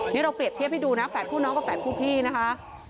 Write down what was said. นี่เราเปรียบเทียบให้ดูนะแฝดผู้น้องกับแฝดผู้พี่นะคะ